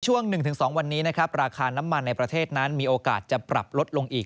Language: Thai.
ช่วง๑๒วันนี้นะครับราคาน้ำมันในประเทศนั้นมีโอกาสจะปรับลดลงอีก